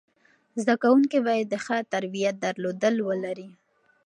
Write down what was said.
زده کوونکي باید د ښه تربیت درلودل ولري.